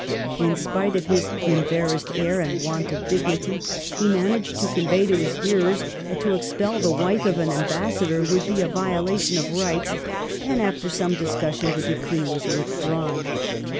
In spite of his "embarrassed air" and "want of dignity," he managed to convey to his hearers that to expel the wife of an ambassador would be a violation of rights ; and after some discussion th£ decree was withdrawn.